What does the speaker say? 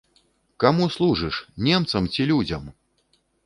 Каму служыш, немцам ці людзям?